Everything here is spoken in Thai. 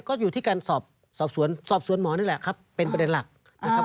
ก็อยู่ที่การสอบสวนสอบสวนหมอนี่แหละครับเป็นประเด็นหลักนะครับ